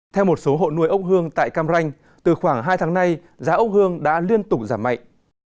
theo một số hộ nuôi ốc hương tại cam ranh từ khoảng hai tháng nay giá ốc hương đã liên tục giảm mạnh